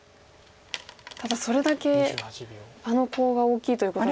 ただそれだけあのコウが大きいということなんですね。